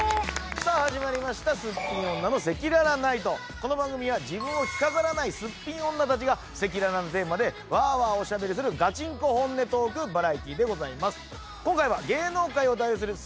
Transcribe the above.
この番組は自分を着飾らないすっぴん女たちが赤裸々なテーマでわあわあおしゃべりするがちんこ本音トークバラエティーでございます。